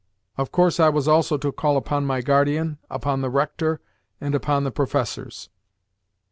Of course I was also to call upon my guardian, upon the rector, and upon the professors.